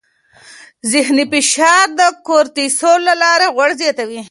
ذهني فشار د کورتیسول له لارې غوړ زیاتوي.